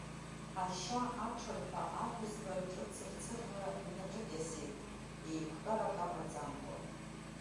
Ашьа аҽырҳәа аҳәызба аҿы цырцырра инаҿыкьасеит, еиқәтәарак амаӡамкәа.